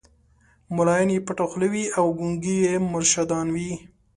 مُلایان یې پټه خوله وي او ګونګي یې مرشدان وي